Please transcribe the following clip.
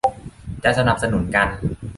จะสนับสนุนกัน